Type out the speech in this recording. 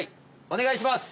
おねがいします！